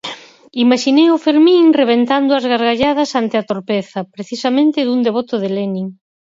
Imaxinei o Fermín rebentando ás gargalladas ante a torpeza, precisamente dun devoto de Lenin.